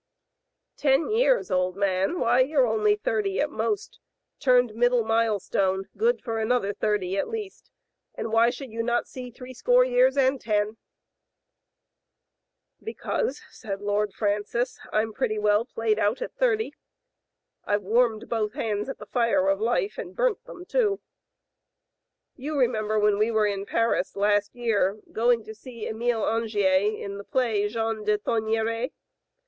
"Ten years, old man? Why, you're only thirty at most, turned middle milestone — good for an other thirty at least — and why should you not see threescore years and ten?" "Because," said Lord Francis, "I'm pretty well played out at thirty. IVe warmed both hands at Digitized by Google 252 THE FATE OF FENELLA, the fire of life, and burnt them too. You remem ber when we were in Paris, last year, going to see Emile Angier, in the play 'Jean de Thomeray*?